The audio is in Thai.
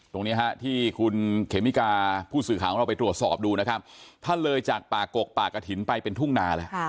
ตรงนี้ฮะที่คุณเขมิกาผู้สื่อข่าวของเราไปตรวจสอบดูนะครับท่านเลยจากป่ากกป่ากระถิ่นไปเป็นทุ่งนาแล้ว